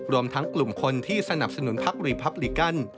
รวมทั้งกลุ่มคนที่สนับสนุนพักรีพับลิกัน